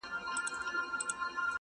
زه پر خپلي ناشکرۍ باندي اوس ژاړم!